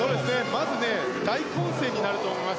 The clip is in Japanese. まず大混戦になると思います。